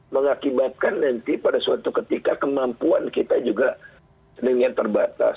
mengakibatkan nanti pada suatu ketika kemampuan kita juga dengan terbatas